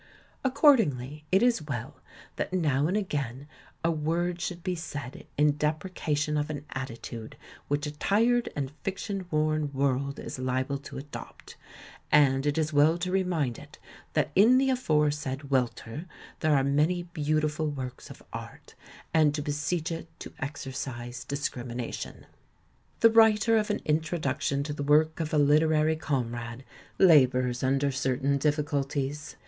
Accord ingly it is well that now and again a word should be said in deprecation of an attitude which a tired and fiction worn world is liable to adopt; and it is well to remind it that in the aforesaid welter there are many beautiful works of art, and to beseech it to exercise discrimination. The writer of an introduction to the work of a literary comrade labours under certain difficul ties.